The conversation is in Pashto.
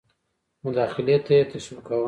مداخلې ته یې تشویقاوه.